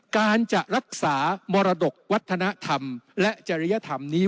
การจะรักษามรดกวัฒนธรรมและจริยธรรมนี้